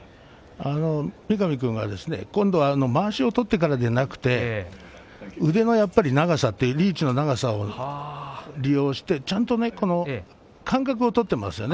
三上君はまわしを取ってからじゃなくて腕の長さリーチの長さを利用してちゃんと間隔を取っていますよね。